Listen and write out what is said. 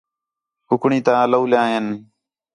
کُکڑیں تا لولیاں ہے ہِن